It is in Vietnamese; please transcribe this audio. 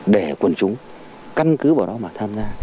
để quần chúng căn cứ vào đó mà tham gia